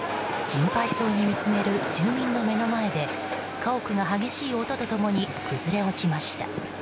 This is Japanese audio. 心配そうに見つめる住民の目の前で家屋が激しい音と共に崩れ落ちました。